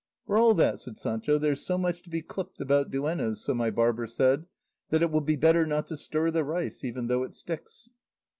'" "For all that," said Sancho, "there's so much to be clipped about duennas, so my barber said, that 'it will be better not to stir the rice even though it sticks.